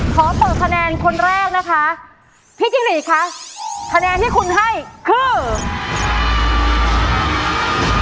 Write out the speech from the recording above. ขอเปิดคะแนนคนแรกนะคะพี่จิ้งหรีคะคะแนนที่คุณให้คือ